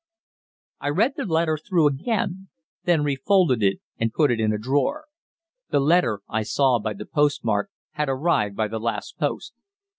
I read the letter through again; then refolded it and put it in a drawer. The letter, I saw by the postmark, had arrived by the last post.